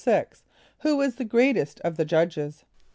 = Who was the greatest of the judges?